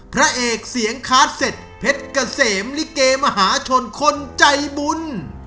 พระเอกเสียงคาร์ดเสร็จเพชรเกษมลิเกมหาชนคนใจบุญ